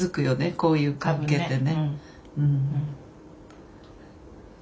こういう関係ってね。